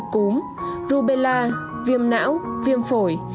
cúm rubella viêm não viêm phổi